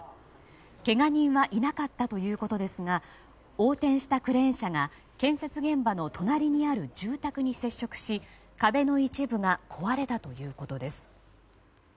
けが人はいなかったということですが横転したクレーン車が建設現場の隣にある住宅に接触し壁の一部が壊れたということです。